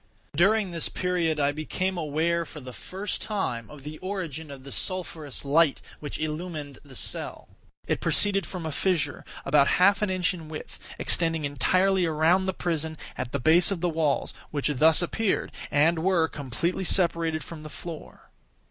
During this period, I became aware, for the first time, of the origin of the sulphurous light which illumined the cell. It proceeded from a fissure, about half an inch in width, extending entirely around the prison at the base of the walls, which thus appeared, and were, completely separated from the floor.